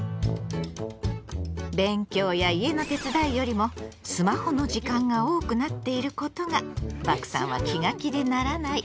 勉強や家の手伝いよりもスマホの時間が多くなっていることがバクさんは気が気でならない。